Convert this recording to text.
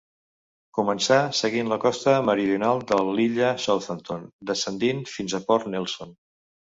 Començà seguint la costa meridional de l'illa Southampton, descendint fins a Port Nelson.